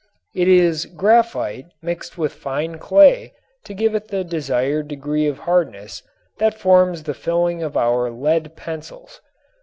It is graphite mixed with fine clay to give it the desired degree of hardness that forms the filling of our "lead" pencils.